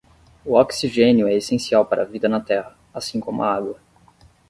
O oxigênio é essencial para a vida na terra, assim como a água.